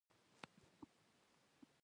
تالابونه د افغانستان د کلتوري میراث برخه ده.